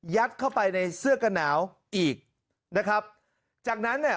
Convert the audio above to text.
เข้าไปในเสื้อกันหนาวอีกนะครับจากนั้นเนี่ย